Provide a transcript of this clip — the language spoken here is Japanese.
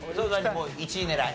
もう１位狙い？